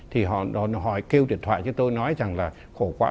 thì họ đòi hỏi kêu điện thoại cho tôi nói rằng là khổ quá